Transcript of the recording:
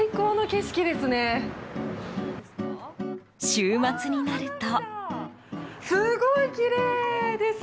週末になると。